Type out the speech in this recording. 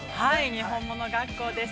「にほんもの学校」です。